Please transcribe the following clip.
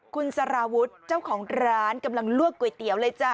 คุณสารวุฒิเจ้าของร้านกำลังลวกก๋วยเตี๋ยวเลยจ้ะ